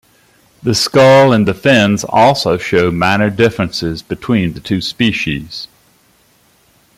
The skull and the fins also show minor differences between the two species.